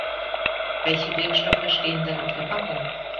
Welche Wirkstoffe stehen denn auf der Packung?